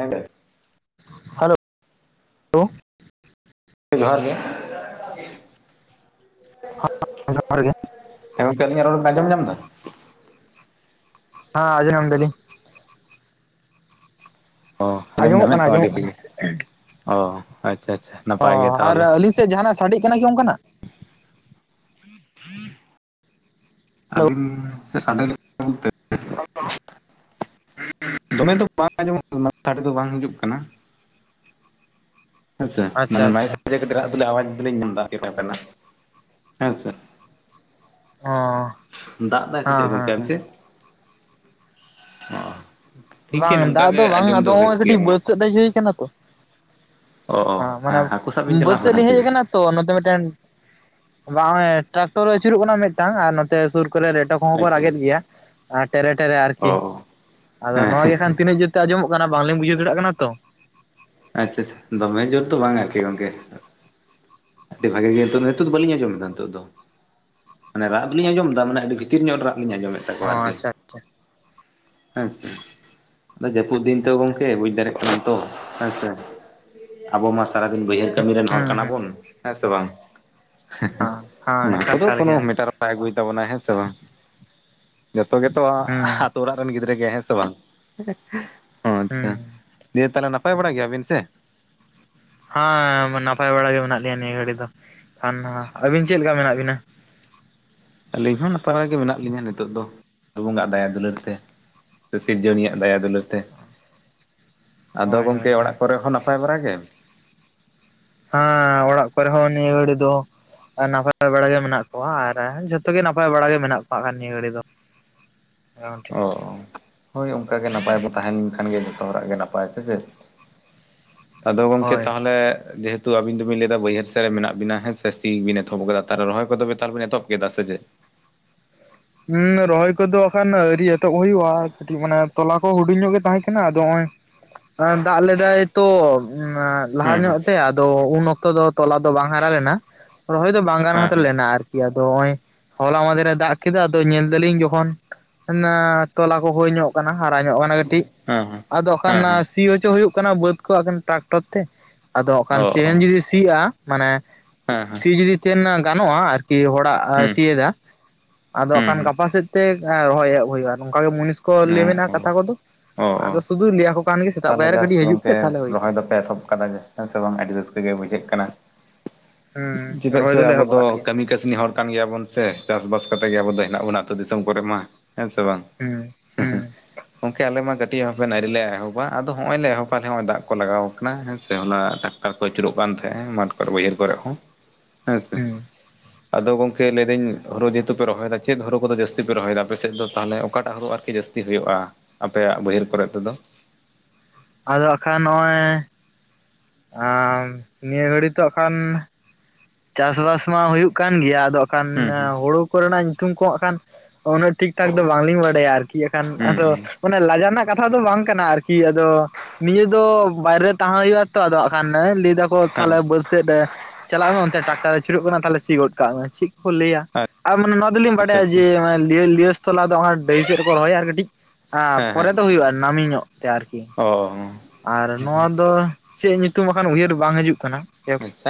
ᱦᱮᱸ ᱾ Hello hello. ᱡᱚᱦᱟᱨ ᱜᱮ ᱾ ᱡᱚᱦᱟᱨ ᱜᱮ ᱦᱮᱸ ᱜᱚᱝᱠᱮ ᱟᱹᱞᱤᱧᱟ ᱨᱚᱲᱮᱢ ᱧᱟᱢ ᱫᱟ? ᱦᱮᱸ ᱟᱸᱡᱚᱢ ᱮᱫᱟ ᱞᱤᱧ ᱾ ᱚ ᱟᱹᱡᱚᱢ ᱟᱸᱡᱚᱢᱚᱜ ᱧᱟᱢᱮᱫ ᱠᱟᱱᱟ ᱛᱟᱢᱟ ᱟᱹᱰᱤ ᱟᱸᱡᱚᱢᱚᱜ ᱠᱟᱱᱟ ᱵᱷᱟᱜᱤ ᱜᱮ ᱾ ᱚ ᱟᱪᱪᱷᱟ ᱟᱪᱪᱷᱟ ᱾ ᱚ ᱟᱨ ᱟᱹᱞᱤᱧ ᱥᱮᱫ ᱡᱟᱦᱟᱸ ᱱᱟᱜ ᱥᱟᱰᱮ ᱠᱟᱱᱟ ᱠᱤ ᱚᱱᱠᱟ ᱱᱟᱜ? [inaudible] ᱦᱮᱞᱳ ᱟᱹᱵᱤᱱ ᱥᱟᱰᱮ ᱠᱟᱱᱟ ᱥᱮ ᱪᱮ ᱪᱚ ᱫᱚᱢᱮ ᱫᱚ ᱵᱟᱝ ᱟᱸᱡᱚᱢ ᱫᱚ ᱵᱟᱝ ᱦᱤᱡᱩᱜ ᱠᱟᱱᱟ ᱾ ᱦᱮᱸᱥᱮ ᱟᱪᱪᱷᱟ ᱢᱟᱱᱮ ᱟᱪᱪᱷᱟ ᱠᱟᱹᱴᱤᱡ ᱫᱚ ᱟᱣᱟᱡᱽ ᱫᱚᱧ ᱢᱮᱱ ᱮᱫᱟ ᱛᱟᱦᱮᱱᱟ ᱦᱮᱸ ᱥᱮ ᱦᱚᱸ ᱫᱟᱜ ᱫᱟᱭ ᱥᱮ ᱪᱮᱫ ᱜᱚᱝᱠᱮ ᱟᱯᱮ ᱥᱮᱫ? ᱚ ᱴᱷᱤᱠ ᱜᱮᱭᱟ ᱵᱟᱝ ᱱᱚᱝᱠᱟ ᱫᱟᱜ ᱜᱮ ᱫᱚ ᱵᱟᱝ ᱟᱸᱡᱚᱢ ᱟᱫᱚ ᱱᱚᱜᱼᱚᱭ ᱵᱮᱥ ᱜᱮᱭᱟ ᱠᱟᱹᱴᱤᱡ ᱢᱟ ᱵᱟᱹᱫᱽ ᱥᱮᱫ ᱦᱮᱡ ᱦᱩᱭ ᱠᱟᱱᱟ ᱛᱚ ᱚ ᱾ ᱚ ᱦᱮᱸ ᱢᱟᱱᱮ ᱦᱟᱹᱠᱩ ᱥᱟᱵ ᱵᱤᱱ ᱵᱟᱹᱫᱽ ᱪᱟᱞᱟᱣ ᱥᱮᱫ ᱞᱤᱧ ᱥᱮ ᱦᱮᱡ ᱪᱮᱫ? ᱠᱟᱱᱟ ᱾ ᱛᱚ ᱱᱚᱛᱮ ᱢᱤᱫᱴᱮᱱ ᱵᱟᱝ ᱴᱨᱟᱠᱴᱚᱨ ᱟᱹᱪᱩᱨᱚᱜ ᱠᱟᱱᱟ, ᱢᱤᱫᱴᱟᱝ ᱟᱨ ᱱᱚᱛᱮ ᱥᱩᱨ ᱠᱚᱨᱮ ᱨᱮᱴᱚ ᱠᱚᱦᱚᱸ ᱠᱚ ᱟᱪᱪᱷᱟ ᱨᱟᱜᱮᱫ ᱜᱮᱭᱟ᱾ ᱴᱮᱨᱮ ᱴᱮᱨᱮ ᱚ ᱟᱨᱠᱤ ᱾ ᱚ ᱟᱫᱚ ᱦᱮᱸ ᱱᱚᱣᱟ ᱦᱮᱸ ᱜᱮᱠᱷᱟᱱ ᱛᱤᱱᱟᱹᱜ ᱡᱳᱨ ᱟᱸᱡᱚᱢᱚᱜ ᱠᱟᱱᱟ, ᱵᱟᱝᱞᱤᱧ ᱵᱩᱡᱷᱟᱹ ᱫᱟᱲᱮᱭᱟᱜ ᱠᱟᱱᱟ ᱛᱚ ᱾ ᱟᱪᱪᱷᱟ ᱾ ᱫᱚᱢᱮ ᱡᱳᱨ ᱫᱚ ᱵᱟᱝ ᱟᱨᱠᱤ ᱜᱚᱝᱠᱮ ᱾ ᱟᱹᱰᱤ ᱵᱷᱟᱜᱮ ᱜᱮ ᱱᱤᱛᱚ ᱫᱚ ᱵᱟᱹᱞᱤᱧ ᱟᱸᱡᱚᱢ ᱫᱟ ᱱᱤᱛᱚᱜ ᱫᱚ ᱾ ᱢᱟᱱᱮ ᱨᱟᱜ ᱫᱚᱞᱤᱧ ᱟᱸᱡᱚᱢ ᱫᱟ ᱢᱟᱱᱮ ᱟᱹᱰᱤ ᱵᱷᱤᱛᱤᱨ ᱧᱚᱜ ᱨᱟᱜ ᱞᱤᱧ ᱟᱸᱡᱚᱢ ᱮᱫ ᱾ ᱚ ᱟᱨᱠᱤ ᱟᱪᱪᱷᱟ ᱟᱪᱪᱷᱟ ᱦᱮᱸᱥᱮ ᱟᱨ ᱡᱟᱹᱯᱩᱫ ᱫᱤᱱ ᱛᱚ ᱜᱚᱝᱠᱮ ᱵᱩᱡ ᱫᱟᱲᱮᱭᱟᱜ ᱠᱟᱱᱟ ᱾ ᱠᱟᱱᱟ ᱛᱚ ᱦᱮᱸᱥᱮ᱾ ᱟᱵᱚ ᱢᱟ ᱥᱟᱨᱟᱫᱤᱱ ᱵᱟᱹᱭᱦᱟᱹᱲ ᱠᱟᱹᱢᱤ ᱨᱮᱱ ᱦᱚᱲ ᱦᱩᱸ ᱠᱟᱱᱟ ᱦᱩᱸ ᱵᱚᱱ ᱾ ᱦᱮᱸ ᱥᱮ ᱵᱟᱝ ᱦᱮᱸ ᱾ ᱦᱮᱸ ᱚᱱᱟ ᱮᱠᱟᱞ ᱠᱚᱫᱚ ᱮᱠᱟᱞ ᱠᱚᱱᱳ ᱜᱮ ᱢᱮᱴᱟᱨ ᱵᱟᱭ ᱟᱹᱜᱩᱭ ᱛᱟᱵᱚᱱᱟᱭ ᱦᱮᱸ ᱥᱮ ᱵᱟᱝ᱾ ᱡᱚᱛᱚ ᱜᱮᱛᱚ ᱦᱩᱸ ᱟᱹᱛᱩ ᱚᱲᱟᱜ ᱨᱮᱱ ᱜᱤᱫᱽᱨᱟᱹ ᱦᱮᱸ ᱥᱮ ᱵᱟᱝ ᱚ ᱟᱪᱪᱷᱟ ᱦᱩᱸ ᱫᱤᱭᱮ ᱛᱟᱦᱚᱞᱮ ᱱᱟᱯᱟᱭ ᱵᱟᱲᱟ ᱜᱮᱭᱟᱵᱤᱱ ᱥᱮ? ᱦᱮᱸ ᱱᱟᱯᱟᱭ ᱵᱟᱲᱟ ᱜᱮ ᱢᱮᱱᱟᱜ ᱞᱮᱭᱟ ᱱᱤᱭᱟᱹ ᱜᱷᱟᱹᱲᱤ ᱫᱚ᱾ ᱟᱹᱵᱤᱱ ᱪᱮᱫ ᱞᱮᱠᱟ ᱢᱮᱱᱟᱜ ᱵᱤᱱᱟ? ᱟᱹᱞᱤᱧ ᱦᱚᱸ ᱱᱟᱯᱟᱭ ᱜᱮ ᱢᱮᱱᱟᱜ ᱞᱤᱧᱟᱹ ᱱᱤᱛᱚᱜ ᱫᱚ᱾ ᱵᱚᱸᱜᱟ ᱫᱟᱭᱟ ᱫᱩᱞᱟᱹᱲ ᱛᱮ᱾ ᱥᱮ ᱥᱤᱨᱡᱚᱱᱤᱭᱟᱜ ᱫᱟᱭᱟ ᱫᱩᱞᱟᱹᱲ ᱛᱮ᱾ ᱟᱫᱚ ᱦᱳᱭ ᱦᱳᱭ ᱜᱚᱝᱠᱮ ᱦᱮᱸ ᱚᱲᱟᱜ ᱠᱚᱨᱮ ᱦᱚᱸ ᱱᱟᱯᱟᱭ ᱵᱟᱲᱟᱜ ᱜᱮ? ᱦᱮᱸ ᱚᱲᱟᱜ ᱠᱚᱨᱮ ᱦᱚᱸ ᱱᱤᱭᱟᱹ ᱜᱷᱟᱹᱲᱤ ᱫᱚ ᱱᱟᱯᱟᱭ ᱵᱮᱲᱟ ᱜᱮ ᱢᱮᱱᱟᱜ ᱠᱚᱣᱟ ᱟᱨ ᱡᱚᱛᱚ ᱡᱚᱛᱚᱜᱮ ᱱᱟᱯᱟᱭ ᱵᱟᱲᱟᱟᱜ ᱜᱮ ᱢᱮᱱᱟᱜ ᱯᱟᱜ ᱠᱟᱱ ᱱᱤᱭᱟᱹ ᱜᱷᱟᱹᱲᱤ ᱫᱚ ᱜᱚᱢᱠᱮ ᱚ ᱦᱚᱭ ᱚᱱᱠᱟᱜᱮ ᱱᱟᱯᱟᱭ ᱵᱚ ᱛᱟᱦᱮ ᱞᱮᱱ ᱠᱷᱟᱱ ᱜᱮ ᱡᱚᱛᱚ ᱦᱚᱲᱟᱜ ᱜᱮ ᱱᱟᱯᱟᱭ ᱥᱮ ᱪᱮᱫ᱾ ᱟᱫᱚ ᱜᱚᱝᱠᱮ ᱦᱳᱭ ᱛᱟᱦᱚᱞᱮ ᱡᱮᱦ ᱠᱤᱱᱛᱩ ᱟᱵᱤᱱ ᱫᱚᱵᱤᱱ ᱞᱟᱹᱭᱫᱟ ᱵᱟᱹᱭᱦᱟᱹᱲ ᱥᱮᱫ ᱨᱮ ᱢᱮᱱᱟᱜ ᱵᱤᱱᱟ ᱦᱮᱸ ᱥᱮ ᱥᱤ ᱵᱤᱱ ᱮᱛᱚᱦᱚᱵ ᱟᱠᱟᱫᱟ ᱛᱟᱦᱮᱸ ᱨᱚᱦᱚᱭ ᱠᱚᱫᱚ ᱛᱟᱨᱯᱚᱨᱮ ᱵᱮᱱ ᱮᱛᱚᱦᱚᱵ ᱠᱮᱫᱟ ᱥᱮ ᱡᱮ? ᱦᱩᱸ ᱨᱚᱦᱚᱭ ᱠᱚᱫᱚ ᱮᱠᱷᱟᱱ ᱟᱹᱣᱨᱤ ᱮᱛᱚᱦᱚᱵ ᱦᱩᱭᱩᱜᱼᱟ᱾ ᱠᱟᱹᱴᱤᱡ ᱢᱟᱱᱮ ᱛᱚᱞᱟ ᱠᱚ ᱦᱩᱰᱤᱧ ᱧᱚᱜ ᱜᱮ ᱛᱟᱦᱮᱸ ᱠᱟᱱᱟ, ᱟᱫᱚ ᱱᱚᱜᱼᱚᱭ ᱫᱟᱜ ᱞᱮᱫᱟᱭ ᱛᱚ᱾ ᱞᱟᱦᱟ ᱦᱮᱸ ᱧᱚᱜ ᱛᱮ ᱟᱫᱚ ᱩᱱ ᱚᱠᱛᱚ ᱫᱚ ᱛᱚᱞᱟ ᱫᱚ ᱵᱟᱝ ᱦᱟᱨᱟ ᱞᱮᱱᱟ᱾ ᱨᱚᱦᱚᱭ ᱫᱚ ᱵᱟᱝ ᱜᱟᱱ ᱦᱮᱸ ᱦᱟᱛᱟᱣ ᱦᱮᱸ ᱞᱮᱱᱟ, ᱟᱨᱠᱤ᱾ ᱟᱫᱚ ᱱᱚᱭᱼᱚᱭ ᱦᱚᱞᱟ ᱢᱟᱫᱮᱨ ᱨᱮ ᱫᱟᱜ ᱠᱮᱫᱟ ᱟᱫᱚ ᱧᱮᱞ ᱫᱟᱞᱤᱧ ᱡᱚᱠᱷᱚᱱ ᱚᱱᱟ ᱛᱚᱞᱟ ᱠᱚᱦᱚ ᱧᱚᱜ ᱦᱟᱨᱟ ᱧᱚᱜ ᱠᱟᱱᱟ ᱠᱟᱹᱴᱤᱡ ᱦᱮᱸ ᱟᱫᱚ ᱠᱷᱟᱱ ᱦᱮᱸ ᱦᱮᱸ ᱦᱮᱸ ᱦᱮᱸ ᱥᱤ ᱦᱚᱪᱚ ᱦᱩᱭᱩᱜ ᱠᱟᱱᱟ ᱵᱟᱹᱫ ᱠᱚ ᱴᱨᱟᱠᱴᱚᱨ ᱛᱮ ᱟᱫᱚ ᱠᱷᱟᱱ ᱚ ᱚ ᱛᱮᱦᱮᱧ ᱡᱩᱫᱤ ᱥᱤᱜᱼᱟ ᱢᱟᱱᱮ ᱦᱮᱸ ᱦᱮᱸ ᱥᱤ ᱡᱩᱫᱤ ᱛᱟᱦᱮᱱ ᱜᱟᱱᱚᱜᱼᱟ ᱟᱨᱠᱤ ᱦᱚᱲᱟᱜ ᱦᱩᱸ ᱥᱤᱭᱮᱫᱟ᱾ ᱟᱫᱚ ᱠᱷᱟᱱ ᱦᱩᱸ ᱜᱟᱯᱟ ᱥᱮᱫ ᱛᱮ ᱨᱚᱦᱚᱭ ᱮᱦᱚᱵ ᱦᱩᱭᱩᱜᱼᱟ᱾ ᱱᱚᱝᱠᱟ ᱜᱮ ᱢᱩᱱᱤᱥ ᱠᱚ ᱦᱩᱸ ᱞᱟᱹᱭ ᱢᱮ ᱚ ᱚ ᱠᱟᱛᱷᱟ ᱠᱚᱫᱚ ᱚ ᱚ ᱟᱫᱚ ᱥᱩᱫᱩ ᱞᱟᱹᱭᱟ ᱠᱚ ᱛᱟᱦᱚᱞᱮ ᱡᱟᱥ ᱜᱚᱝᱠᱮ ᱨᱚᱦᱚᱭ ᱫᱚᱯᱮ ᱮᱛᱚᱦᱚᱵ ᱠᱟᱫᱟ ᱦᱮᱸ ᱥᱮ ᱵᱟᱝ ᱟᱹᱰᱤ ᱨᱟᱹᱥᱠᱟᱹ ᱜᱮ ᱵᱩᱡᱷᱟᱹᱜ ᱠᱟᱱᱟ᱾ ᱦᱩᱸ ᱪᱮᱫᱟᱜ ᱨᱚᱦᱚᱭ ᱥᱮ ᱫᱚᱞᱮ ᱟᱵᱚ ᱮᱦᱚᱵ ᱫᱚ ᱟᱠᱟᱫ ᱜᱮᱭᱟ ᱠᱟᱹᱢᱤ ᱠᱟᱹᱥᱱᱤ ᱦᱚᱲ ᱠᱟᱱ ᱜᱮᱭᱟᱵᱚᱱ ᱥᱮ ᱪᱟᱥᱵᱟᱥ ᱠᱟᱛᱮᱜ ᱜᱮ ᱟᱵᱚ ᱫᱚ ᱦᱮᱱᱟᱜ ᱵᱚᱱᱟ ᱟᱹᱛᱩ ᱫᱤᱥᱚᱢ ᱠᱚᱨᱮ ᱢᱟ᱾ ᱦᱮᱸ ᱥᱮ ᱵᱟᱝ ᱦᱩᱸ ᱦᱩᱸ ᱜᱚᱢᱠᱮ ᱟᱞᱮ ᱢᱟ ᱠᱟᱹᱴᱤᱡ ᱦᱚᱸ ᱵᱟᱞᱮ ᱮᱦᱚᱵᱟ, ᱟᱫᱚ ᱦᱚᱸᱜᱼᱚᱭ ᱞᱮ ᱮᱦᱚᱵ ᱵᱟᱦᱦᱮ ᱦᱚᱸᱜ ᱚᱚᱭ ᱫᱟᱜ ᱠᱚ ᱞᱟᱜᱟᱣ ᱟᱠᱟᱱᱟ ᱦᱮᱸ ᱥᱮ᱾ ᱦᱚᱞᱟ ᱴᱟᱠᱴᱟᱨ ᱠᱚ ᱟᱹᱪᱩᱨᱚᱜ ᱠᱟᱱ ᱛᱟᱦᱮᱸ ᱢᱟᱴᱷᱠᱨᱮ ᱵᱟᱹᱭᱦᱟᱹᱲ ᱠᱚᱨᱮ ᱦᱚᱸ᱾ ᱦᱮᱸ ᱥᱮ ᱦᱩᱸ ᱟᱫᱚ ᱜᱚᱝᱠᱮ ᱞᱟᱹᱭᱮᱫᱟᱹᱧ ᱦᱩᱮᱦᱮ ᱯᱮ ᱨᱚᱦᱚᱭᱟ ᱪᱮᱫ ᱦᱩ ᱠᱚᱫᱚ ᱡᱟᱹᱥᱛᱤᱯᱮ ᱨᱚᱭᱮᱫᱟ ᱟᱯᱮ ᱥᱮᱫ ᱫᱚ ᱛᱟᱦᱚᱞ ᱚᱠᱟᱴᱟᱜ ᱦᱩ ᱟᱨᱠᱤ ᱡᱟᱹᱛᱤ ᱡᱟᱹᱛᱤ ᱦᱩᱭᱩᱜᱼᱟ ᱟᱯᱮᱭᱟᱜ ᱵᱟᱹᱭᱦᱟᱹᱲ ᱠᱚᱨᱮ ᱛᱮᱫᱚ ᱟᱫᱚ ᱵᱟᱝ ᱠᱷᱟᱱ ᱱᱚᱜᱼᱚᱭ ᱟ ᱱᱤᱭᱟᱹ ᱜᱷᱟᱹᱲᱤ ᱛᱚᱜ ᱠᱷᱟᱱ ᱪᱟᱥᱵᱟᱥ ᱢᱟ ᱦᱩᱭᱩᱜ ᱠᱟᱱ ᱜᱮᱭᱟ ᱟᱫᱚ ᱠᱷᱟᱱ ᱦᱩᱸ ᱦᱩᱸ ᱦᱩᱲᱩ ᱠᱚᱨᱮᱱᱟᱜ ᱧᱩᱛᱩᱢ ᱠᱚ ᱦᱟᱸᱜ ᱠᱷᱟᱱ ᱩᱱᱟᱹᱜ ᱴᱷᱤᱠ ᱴᱷᱟᱠ ᱫᱚ ᱵᱟᱝᱞᱤᱧ ᱵᱟᱰᱟᱭᱟ ᱟᱨᱠᱤ ᱮᱱᱠᱷᱟᱱ ᱦᱩᱸ ᱟᱫᱚ ᱦᱩᱸ ᱚᱱᱮ ᱞᱟᱡᱟᱣ ᱨᱮᱱᱟᱜ ᱠᱟᱛᱷᱟ ᱫᱚ ᱵᱟᱝ ᱠᱟᱱᱟ ᱟᱨᱠᱤ ᱟᱫᱚ ᱱᱤᱭᱟᱹ ᱫᱚ ᱵᱟᱭ ᱨᱮ ᱛᱟᱦᱮᱸ ᱦᱩᱭᱩᱜᱼᱟ ᱾ ᱛᱚ ᱟᱫᱜ ᱠᱟᱱ ᱞᱟᱹᱭ ᱮᱫᱟᱠᱚ ᱦᱮᱸ ᱛᱟᱦᱚᱞᱮ ᱵᱟᱹᱨᱥᱮᱫ ᱨᱮ ᱪᱟᱞᱟᱜ ᱢᱮ ᱚᱱᱛᱮ ᱴᱟᱠᱴᱟᱨ ᱨᱮ ᱪᱩᱨᱩᱜ ᱠᱟᱱᱟ ᱛᱟᱦᱚᱞᱮ ᱥᱤ ᱜᱚᱫ ᱠᱟᱜ ᱢᱮ ᱪᱮᱫ ᱠᱚᱠᱚ ᱞᱟᱹᱭᱟ ᱟᱨ ᱢᱟᱱᱮ ᱱᱚᱣᱟ ᱫᱚᱞᱤᱧ ᱟᱪᱪᱷᱟ ᱵᱟᱰᱟᱭᱟ ᱟᱪᱪᱷᱟ ᱡᱮ ᱞᱤᱭᱚᱥ ᱛᱚᱞᱟᱥ ᱫᱚ ᱦᱟᱜ ᱰᱟᱹᱦᱤ ᱥᱮᱫ ᱨᱮᱠᱚ ᱨᱚᱦᱚᱭᱟ ᱟᱨ ᱠᱟᱹᱴᱤᱡ ᱯᱚᱨᱮ ᱫᱚ ᱦᱩᱭᱩᱜᱼᱟ ᱱᱟᱹᱢᱤ ᱧᱚᱜ ᱛᱮ ᱟᱨᱠᱤ ᱚᱻ ᱾ ᱟᱨ ᱱᱚᱣᱟ ᱫᱚ ᱪᱮᱫ ᱧᱩᱛᱩᱢ ᱵᱟᱠᱷᱟᱱ ᱩᱭᱦᱟᱹᱨ ᱵᱟᱝ ᱦᱤᱡᱩᱜ ᱠᱟᱱᱟ ᱾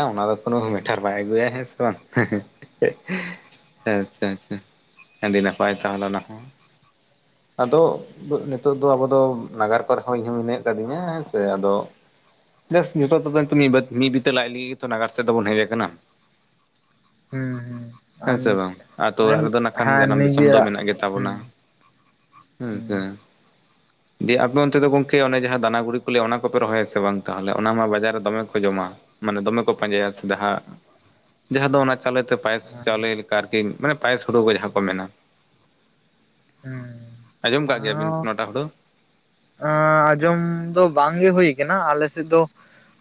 ᱚᱱᱟ ᱫᱚ ᱠᱳᱱᱳ ᱢᱮᱴᱟᱨ ᱵᱟᱭ ᱟᱹᱜᱩᱭᱟ ᱦᱮᱸ ᱥᱮ ᱵᱟᱝ ᱟᱪᱷᱟ ᱟᱪᱷᱟ ᱟᱹᱰᱤ ᱱᱟᱯᱟᱭ ᱛᱟᱦᱚᱞᱮ ᱦᱚᱸ ᱟᱫᱚ ᱱᱤᱛᱚᱜ ᱫᱚ ᱟᱵᱚ ᱫᱚ ᱱᱟᱜᱟᱨ ᱠᱚᱨᱮ ᱦᱚᱸ ᱤᱧ ᱢᱤᱱᱟᱹ ᱠᱟᱫᱤᱧᱟ ᱦᱮᱸ ᱥᱮ ᱟᱫᱚ ᱡᱟᱥ ᱱᱤᱛᱚᱜ ᱛᱮᱫᱚ ᱢᱤᱫ ᱵᱤᱛᱟᱹ ᱞᱟᱡᱽ ᱞᱟᱹᱜᱤᱫ ᱱᱟᱜᱟᱨ ᱛᱮᱫᱚ ᱵᱚᱱ ᱦᱮᱡ ᱟᱠᱟᱱᱟ ᱾ ᱦᱩᱸ ᱦᱮᱸ ᱟᱨ ᱥᱮ ᱵᱟᱝ ᱟᱛᱳ ᱚᱲᱟᱜ ᱢᱟᱱᱮ ᱨᱮᱫᱚ ᱠᱷᱟᱱ ᱦᱮᱸ ᱡᱟᱱᱟᱢ ᱫᱤᱥᱚᱢ ᱫᱚ ᱱᱤᱡᱮᱨᱟᱜ ᱢᱮᱱᱟᱜ ᱦᱩᱸ ᱜᱮᱛᱟᱵᱚᱱᱟ ᱾ ᱦᱮᱸ ᱦᱩᱸ ᱦᱮᱸ ᱫᱤᱭᱮ ᱟᱯᱮ ᱚᱱᱛᱮ ᱫᱚ ᱜᱚᱝᱠᱮ ᱚᱱᱮ ᱡᱟᱦᱟᱸ ᱫᱟᱱᱟ ᱜᱩᱲᱤ ᱠᱚ ᱞᱟᱹᱭᱟ ᱚᱱᱟ ᱠᱚᱯᱮ ᱨᱚᱦᱚᱭᱟᱥᱮ ᱵᱟᱝ ᱛᱟᱦᱚᱞᱮ ᱚᱱᱟ ᱢᱟ ᱵᱟᱡᱟᱨ ᱨᱮ ᱫᱚᱢᱮ ᱠᱚ ᱡᱚᱢᱟ ᱢᱟᱱᱮ ᱫᱚᱢᱮ ᱠᱚ ᱯᱟᱸᱡᱟᱭᱟ ᱥᱮ ᱡᱟᱦᱟᱸ ᱡᱟᱦᱟᱸ ᱫᱚ ᱚᱱᱟ ᱪᱟᱣᱞᱮᱛᱮ ᱯᱟᱭᱮᱥ ᱪᱟᱣᱞᱮ ᱞᱮᱠᱟ ᱟᱨᱠᱤ ᱢᱟᱱᱮ ᱯᱟᱭᱮᱥ ᱦᱩᱲᱩ ᱠᱚ ᱡᱟᱦᱟᱸ ᱠᱚ ᱢᱮᱱᱟ ᱾ ᱦᱮᱸ ᱟᱸᱡᱚᱢ ᱫᱟᱜ ᱜᱮᱭᱟ ᱵᱤᱱ ᱱᱚᱣᱟ ᱴᱟᱜ ᱦᱩᱲᱳ ᱟᱸᱻ ᱟᱸᱡᱚᱢ ᱫᱚ ᱵᱟᱝᱜᱮ ᱦᱩᱭ ᱠᱟᱱᱟ ᱟᱞᱮ ᱥᱮᱫ ᱫᱚ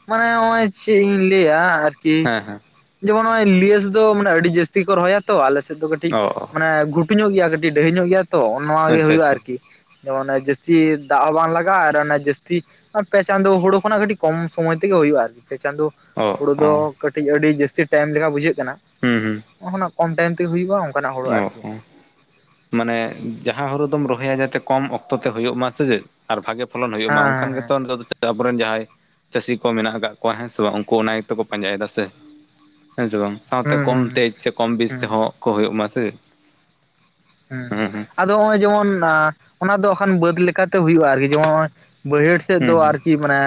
ᱢᱟᱱᱮ ᱱᱚᱜᱼᱚᱭ ᱪᱮᱫ ᱤᱧ ᱞᱟᱹᱭᱟ ᱟᱨᱠᱤ ᱦᱮᱸ ᱦᱮᱸ ᱡᱮᱢᱚᱱ ᱱᱚᱜᱼᱚᱭ ᱞᱤᱭᱮᱥ ᱫᱚ ᱢᱟᱱᱮ ᱟᱹᱰᱤ ᱡᱟᱹᱥ ᱥᱤ ᱠᱚ ᱨᱚᱦᱚᱭᱟ ᱛᱚ ᱟᱞᱮ ᱥᱮᱫ ᱫᱚ ᱠᱟᱹᱴᱤᱡ ᱚ ᱚ ᱢᱟᱱᱮ ᱜᱷᱩᱴᱩ ᱧᱚᱜ ᱜᱮᱭᱟ ᱠᱟᱹᱴᱤᱡ ᱰᱟᱹᱦᱤ ᱧᱚᱜ ᱜᱮᱭᱟ ᱛᱚ ᱚᱱᱚᱣᱟ ᱜᱮ ᱟᱪᱪᱷᱟ ᱦᱩᱭᱩᱜᱼᱟ ᱟᱪᱪᱷᱟ ᱟᱨᱠᱤ ᱛᱚ ᱚᱱᱮ ᱡᱟᱹᱥᱛᱤ ᱫᱟᱜ ᱦᱚᱸ ᱵᱟᱝ ᱞᱟᱜᱟᱜᱼᱟ ᱟᱨ ᱚᱱᱮ ᱡᱟᱹᱥᱛᱤ ᱟᱨ ᱯᱮ ᱪᱟᱸᱫᱳ ᱦᱳᱲᱳ ᱠᱷᱚᱱᱟᱜ ᱠᱟᱹᱴᱤᱡ ᱠᱚᱢ ᱥᱚᱢᱚᱭ ᱛᱮᱜᱮ ᱦᱩᱭᱩᱜᱼᱟ ᱟᱨᱠᱤ ᱯᱮ ᱪᱟᱸᱫᱳ ᱚᱜ ᱦᱩᱲᱩ ᱫᱚ ᱠᱟᱹᱴᱤᱡ ᱟᱹᱰᱤ ᱡᱟᱹᱥᱛᱤ ᱴᱮᱢ ᱞᱮᱠᱟ ᱵᱩᱡᱷᱟᱹᱜ ᱠᱟᱱᱟ ᱦᱩᱸ ᱦᱩᱸ ᱚᱦᱚᱱᱟ ᱠᱚᱢ ᱴᱟᱭᱤᱢ ᱛᱮ ᱦᱩᱭᱩᱜᱼᱟ ᱚᱝ ᱚ ᱦᱚᱸ ᱢᱟᱱᱮ ᱡᱟᱦᱟᱸ ᱦᱩᱲᱩ ᱫᱚᱢ ᱨᱚᱦᱚᱭᱟ ᱡᱟᱛᱮ ᱠᱚᱢ ᱚᱠᱛᱚ ᱛᱮ ᱦᱳᱭᱳᱜ ᱢᱟ ᱥᱮ ᱪᱮᱫ ᱟᱨ ᱵᱷᱟᱜᱮ ᱯᱷᱚᱞᱚᱱ ᱦᱩᱭᱩᱜ ᱢᱟ ᱚᱱᱠᱟᱱ ᱦᱮᱸ ᱜᱮᱛᱚ ᱱᱤᱛᱚᱜ ᱫᱚ ᱥᱮ ᱟᱵᱚᱨᱮᱱ ᱡᱟᱸᱦᱟᱭ ᱪᱟᱹᱥᱤ ᱠᱚ ᱢᱮᱱᱟᱜ ᱟᱠᱟᱫ ᱠᱚᱣᱟ ᱦᱮᱸ ᱥᱮ ᱵᱟᱝ ᱩᱱᱠᱩ ᱚᱱᱟ ᱜᱮᱛᱚ ᱠᱚ ᱯᱟᱸᱡᱟᱭᱮᱫᱟ ᱥᱮ ᱦᱮᱸ ᱥᱮᱵᱟᱝ ᱥᱟᱶᱛᱮ ᱦᱮᱸ ᱦᱩᱸ ᱠᱚᱢ ᱦᱩᱸ ᱛᱮᱡᱽ ᱥᱮ ᱠᱚᱢ ᱵᱤᱥ ᱦᱩᱸ ᱛᱮᱦᱚᱸ ᱠᱚ ᱦᱩᱭᱩᱜ ᱢᱟ ᱥᱮ ᱦᱩᱸᱻ ᱦᱩᱸ ᱦᱩᱸ ᱟᱫᱚ ᱛᱚ ᱦᱚᱜ ᱚᱭ ᱡᱮᱢᱚᱱ ᱱᱟ ᱚᱱᱟ ᱫᱚᱠᱷᱟᱱ ᱵᱟᱹᱫ ᱞᱮᱠᱟᱛᱮ ᱦᱩᱭᱩᱜᱼᱟ ᱟᱨᱠᱤ ᱡᱮᱢᱚ ᱱᱚᱜ-ᱚᱭ ᱵᱟᱹᱭᱦᱟᱹᱲ ᱥᱮᱫ ᱫᱚ ᱦᱩᱸ ᱟᱨᱠᱤ ᱢᱟᱱᱮ